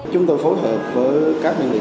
chúng tôi phối hợp với các nguyên liệu